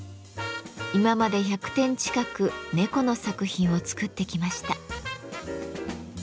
今まで１００点近く猫の作品を作ってきました。